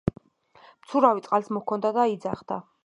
მცურავი წყალს მოჰქონდა და იძახდა